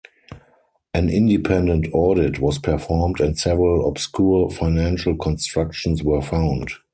An independent audit was performed and several obscure financial constructions were found.